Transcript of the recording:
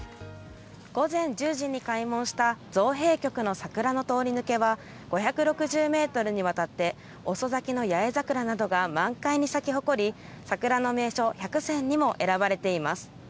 午前１０時に開門した造幣局の桜の通り抜けは５６０メートルにわたって遅咲きの八重桜などが満開に咲き誇り、桜の名所１００選にも選ばれています。